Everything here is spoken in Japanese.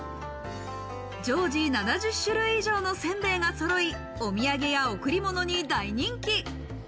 常時７０種類以上のせんべいがそろい、お土産や贈り物に大人気。